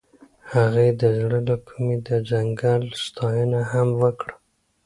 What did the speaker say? هغې د زړه له کومې د ځنګل ستاینه هم وکړه.